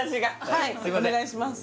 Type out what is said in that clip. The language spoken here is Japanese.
はいお願いします